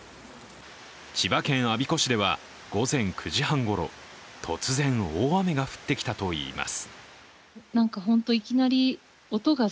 千葉県我孫子市では午前９時半ごろ突然大雨が降ってきたといいます。